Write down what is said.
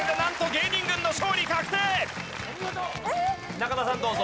中田さんどうぞ。